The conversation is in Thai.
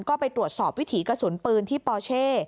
ก็ไปตรวจสอบวิถีกระสุนปืนที่ปอเช่